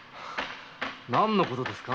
何のことですか？